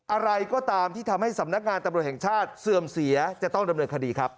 อะไรก็ตามที่ทำให้สำนักงานตำรวจแห่งชาติเสื่อมเสียจะต้องดำเนินคดีครับ